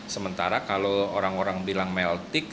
sementara kalau orang orang bilang meltik